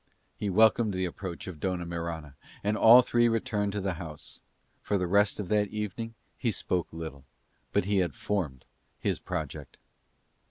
He welcomed the approach of Dona Mirana, and all three returned to the house. For the rest of that evening he spoke little; but he had formed his project.